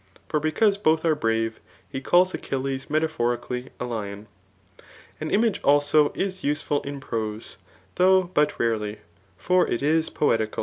For because both are brave^ he calls Adnlles metaphorically a lion* An image also is useful in prose, though butjraidy; ibrit is poeticaL CWmT.